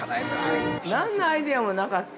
◆何のアイデアもなかった。